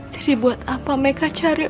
jadi buat apa meka cari